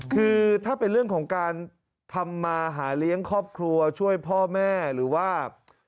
คือถ้าเป็นเรื่องของการทำมาหาเลี้ยงครอบครัวช่วยพ่อแม่หรือว่า